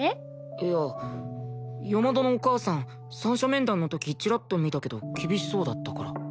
いや山田のお母さん三者面談の時チラッと見たけど厳しそうだったから。